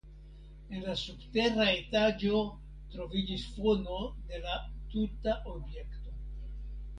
En la subtera etaĝo troviĝis fono de la tuta objekto.